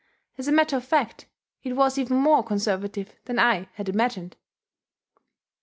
As a matter of fact it was even more conservative than I had imagined.